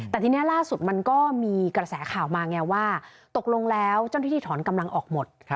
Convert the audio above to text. แต่ทีนี้ล่าสุดมันก็มีกระแสข่าวมาไงว่าตกลงแล้วเจ้าหน้าที่ถอนกำลังออกหมด